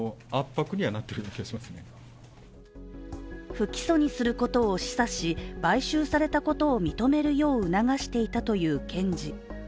不起訴にすることを示唆し、買収されたことを認めるよう促していたという検事。